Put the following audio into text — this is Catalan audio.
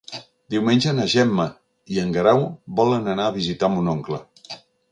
Diumenge na Gemma i en Guerau volen anar a visitar mon oncle.